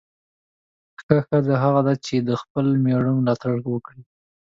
ښه ښځه هغه ده چې د خپل میړه ملاتړ وکړي.